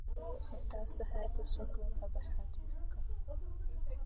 الكأس سهلت الشكوى فبحت بكم